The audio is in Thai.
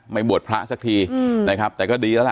บวชพระสักทีนะครับแต่ก็ดีแล้วล่ะ